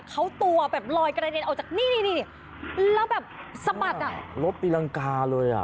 เขาตัวแบบลอยกระเด็นออกจากนี่นี่แล้วแบบสะบัดอ่ะรถตีรังกาเลยอ่ะ